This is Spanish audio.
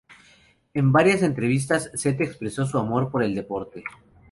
En varias entrevistas, Seth expresó su amor por el deporte.